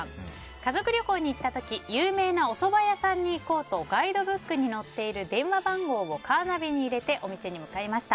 家族旅行に行った時有名なおそば屋さんに行こうとガイドブックに載っている電話番号をカーナビに入れてお店に向かいました。